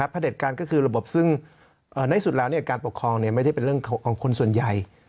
เด็จการก็คือระบบซึ่งในสุดแล้วการปกครองไม่ได้เป็นเรื่องของคนส่วนใหญ่